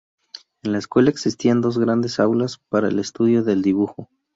En la escuela existían dos grandes aulas para el estudio del dibujo.